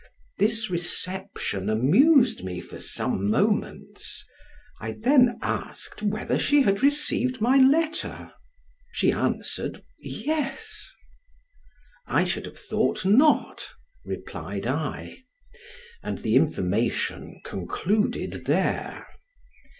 This reception amused me for some moments. I then asked, whether she had received my letter? she answered "Yes." "I should have thought not," replied I; and the information concluded there.